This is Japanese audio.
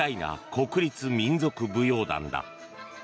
国立民族舞踊団だ。